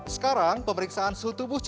sekarang pemeriksaan sutubuh calon penumpang